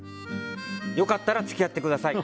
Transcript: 良かったら付き合ってください。